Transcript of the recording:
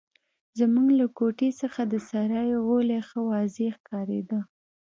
زموږ له کوټې څخه د سرای غولی ښه واضح ښکارېده.